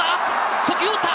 初球を打った！